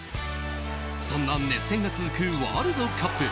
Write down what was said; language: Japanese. そんな熱戦が続くワールドカップ。